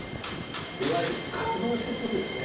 いわゆる活動をしてる時ですね。